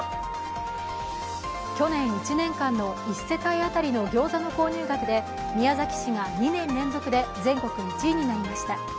去年１年間の１世帯当たりのギョーザ購入額で宮崎市が２年連続で全国１位になりました。